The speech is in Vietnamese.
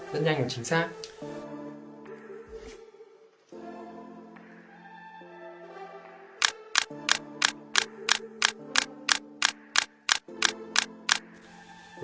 rất nhanh và chính xác